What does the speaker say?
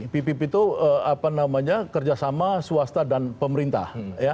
pipip itu apa namanya kerjasama swasta dan pemerintah